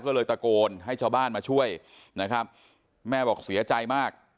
ก็เลยตะโกนให้ชาวบ้านมาช่วยนะครับแม่บอกเสียใจมาก